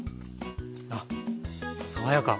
あっ爽やか。